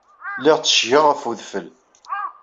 Lliɣ tteccgeɣ ɣef wedfel.